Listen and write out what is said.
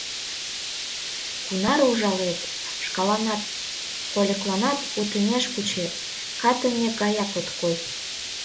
— Кунаре ужалет, шкаланат, вольыкланат утымеш кучет — катыкемме гаят ок кой.